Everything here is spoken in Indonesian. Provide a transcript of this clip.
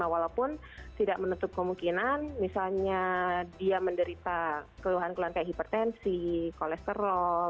walaupun tidak menutup kemungkinan misalnya dia menderita keluhan keluhan kayak hipertensi kolesterol